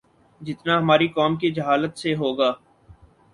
جتنا ہماری قوم کی جہالت سے ہو گا